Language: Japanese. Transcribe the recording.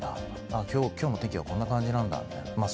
「あっ今日の天気はこんな感じなんだ」みたいなまあ